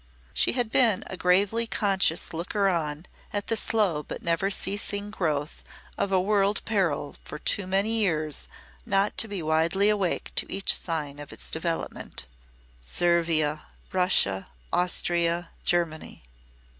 She had been a gravely conscious looker on at the slow but never ceasing growth of a world peril for too many years not to be widely awake to each sign of its development. "Servia, Russia, Austria, Germany.